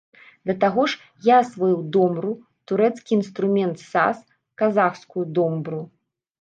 Да таго ж, я асвоіў домру, турэцкі інструмент саз, казахскую домбру.